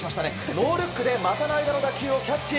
ノールックで股の間の打球をキャッチ！